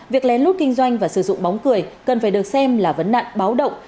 việc lén lút kinh doanh và sử dụng bóng cười cần phải được xem là vấn nạn báo động